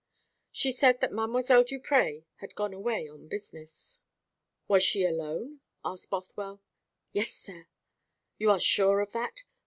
She said that Mdlle. Duprez had gone away on business. "Was she alone?" asked Bothwell. "Yes, sir." "You are sure of that?"